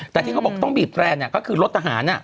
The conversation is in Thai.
แต่ที่เขาบอกต้องบีบแรนดก็คือรถทหาร